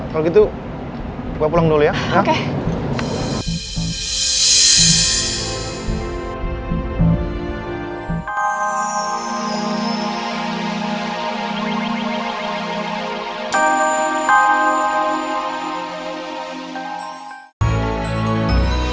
kalau gitu buka pulang dulu ya